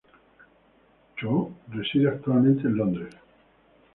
Choo reside actualmente en Londres.